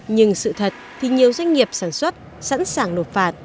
nhưng sự thật thì nhiều doanh nghiệp sản xuất sẵn sàng nộp phạt